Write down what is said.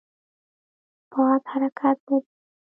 باد حرکت لري.